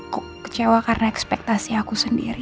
aku kecewa karena ekspektasi aku sendiri